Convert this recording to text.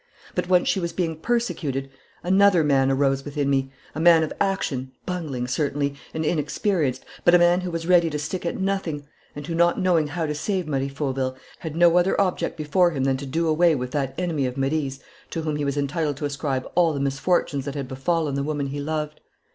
But, once she was being persecuted, another man arose within me, a man of action, bungling, certainly, and inexperienced, but a man who was ready to stick at nothing, and who, not knowing how to save Marie Fauville, had no other object before him than to do away with that enemy of Marie's to whom he was entitled to ascribe all the misfortunes that had befallen the woman he loved....